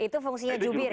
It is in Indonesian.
itu fungsinya jubir ya